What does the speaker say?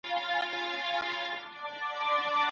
حاکمانو د مغولو کړني نه دي هېري کړي.